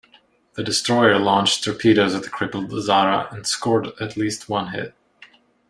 The destroyer launched torpedoes at the crippled "Zara" and scored at least one hit.